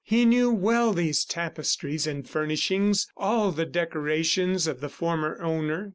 He knew well these tapestries and furnishings, all the decorations of the former owner.